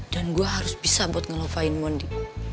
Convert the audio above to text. dan aku harus bisa untuk mengelupakan mon di